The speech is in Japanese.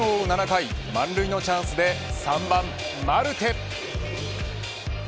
７回満塁のチャンスで３番マルテ。